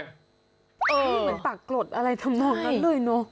เหมือนตักกรดอะไรทั้งหมดนั้นด้วยเนอะ